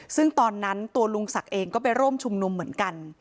ซึ่งตอนนั้นตัวลุงศักดิ์เองก็ไปร่วมชุมนุมเหมือนกัน